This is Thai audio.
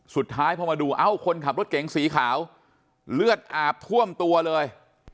สุดท้ายพอมาดูเอ้าคนขับรถเก๋งสีขาวเลือดอาบท่วมตัวเลย